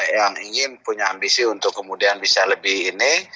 yang ingin punya ambisi untuk kemudian bisa lebih ini